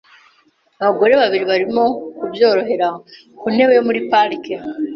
Abagore babiri barimo kubyorohera ku ntebe yo muri parike .